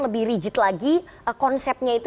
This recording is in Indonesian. lebih rigid lagi konsepnya itu